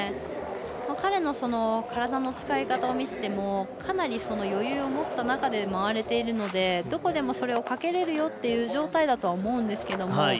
彼の体の使い方を見ていてもかなり、余裕を持った中で回れているのでどこでもそれをかけれるよっていう状態だとは思うんですけど。